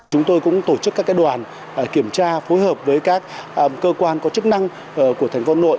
chúng tôi cũng tổ chức các đoàn kiểm tra phối hợp với các cơ quan có chức năng của thành phố nội